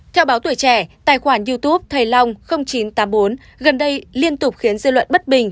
theo báo tuổi trẻ tài khoản youtube thầy long chín trăm tám mươi bốn gần đây liên tục khiến dư luận bất bình